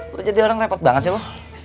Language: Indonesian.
lo jadi orang repot banget sih lo